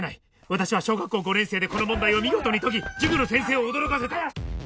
私は小学校５年生でこの問題を見事に解き塾の先生を驚かせた。